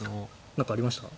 何かありましたか？